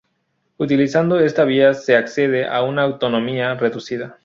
Utilizando esta vía se accede a una autonomía reducida.